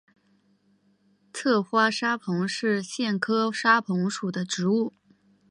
侧花沙蓬是苋科沙蓬属的植物。